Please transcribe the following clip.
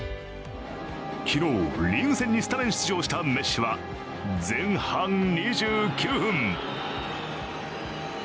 昨日、リーグ戦にスタメン出場したメッシは前半２９分。